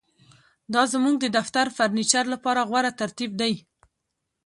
دا زموږ د دفتر د فرنیچر لپاره غوره ترتیب دی